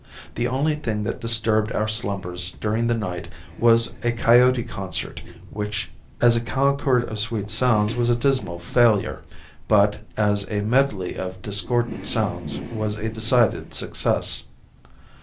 The only thing that disturbed our slumbers during the night was a coyote concert which, as a "concord of sweet sounds was a dismal failure" but as a medley of discordant sounds was a decided success.